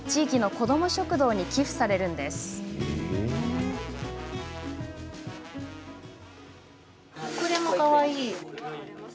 これもかわいい。